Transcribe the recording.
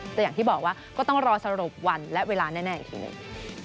แต่อย่างที่บอกว่าก็ต้องรอสรุปวันและเวลาแน่อีกทีหนึ่ง